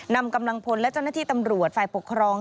นำกำลังพลและเจ้าหน้าที่ตำรวจฝ่ายปกครอง